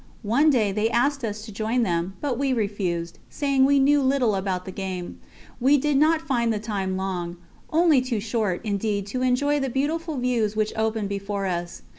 One day they asked us to join them, but we refused, saying we knew little about the game; we did not find the time long only too short, indeed, to enjoy the beautiful views which opened before us.